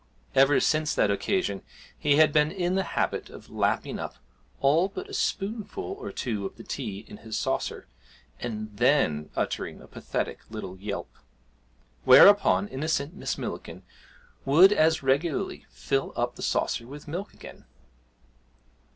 Ever since that occasion he had been in the habit of lapping up all but a spoonful or two of the tea in his saucer, and then uttering a pathetic little yelp; whereupon innocent Miss Millikin would as regularly fill up the saucer with milk again.